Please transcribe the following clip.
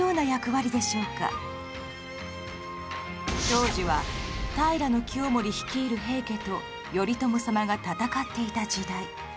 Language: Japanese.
当時は平清盛率いる平家と頼朝様が戦っていた時代。